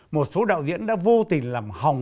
một số đạo diễn đã vô tình làm hòng